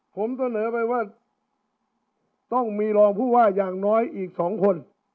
ผมเสนอไปว่าต้องมีรองผู้ว่าอย่างน้อยอีก๒คน